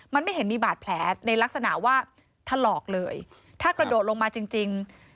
มันไม่เห็นมีบาดแผลในลักษณะว่าถลอกเลยถ้ากระโดดลงมาจริงจริง